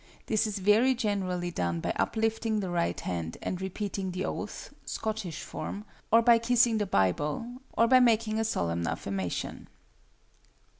This is very generally done by uplifting the right hand and repeating the oath (Scottish form), or by kissing the Bible, or by making a solemn affirmation.